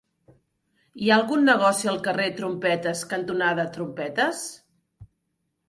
Hi ha algun negoci al carrer Trompetes cantonada Trompetes?